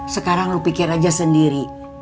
sekarang lu pikir aja sendiri